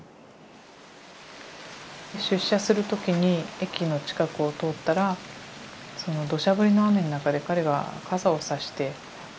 出社する時に駅の近くを通ったらその土砂降りの雨の中で彼が傘をさして待っていて。